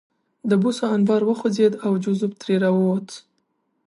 د بوسو انبار وخوځېد او جوزف ترې راووت